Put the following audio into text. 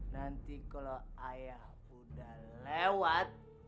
nanti kalau ayah udah lewat